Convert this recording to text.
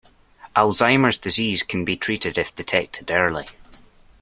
Alzheimer’s disease can be treated if detected early.